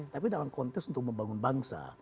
tapi dalam konteks untuk membangun bangsa